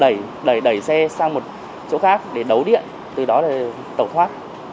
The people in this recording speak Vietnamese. sau đó dùng thủ đoạn đẩy xe sang một chỗ khác để đấu điện từ đó là tẩu thoát